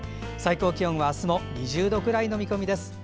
最高気温はあすも２０度くらいの見込みです。